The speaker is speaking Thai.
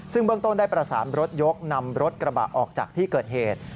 ซึ่งเบื้องต้นได้ประสานรถยกนำรถกระบะออกจากที่เกิดเหตุ